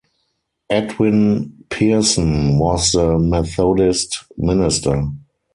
Edwin Pearson, was the Methodist minister.